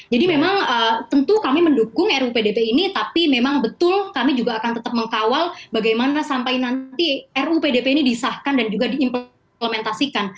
jadi memang tentu kami mendukung ru pdp ini tapi memang betul kami juga akan tetap mengkawal bagaimana sampai nanti ru pdp ini disahkan dan juga diimplementasikan